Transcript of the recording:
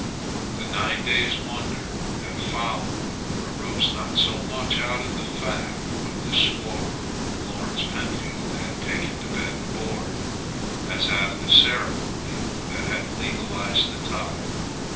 The nine days' wonder that followed arose not so much out of the fact of the squaw whom Lawrence Pentfield had taken to bed and board as out of the ceremony that had legalized the tie.